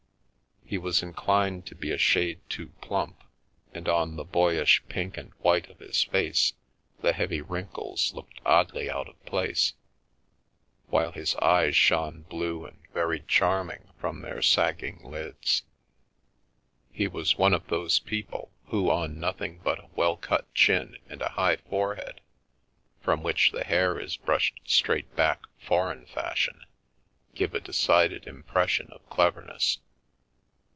He was inclined to be a shade too plump, and on the boyish pink and white of his face the heavy wrinkles looked oddly out of place, while his eyes shone blue and very charming from their sagging lids. He was one of those people who on nothing but a well cut chin and a high forehead from which the hair is brushed straight back, foreign fashion, give a decided impression of clev erness.